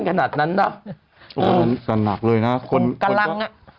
ขนาดนั้นนะโอ้โหสหนักเลยนะคนกำลังอ่ะ